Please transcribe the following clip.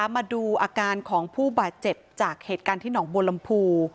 มาดูอาการของผู้บาดเจ็บจากเหตุการณ์ที่หนองบัวลำพู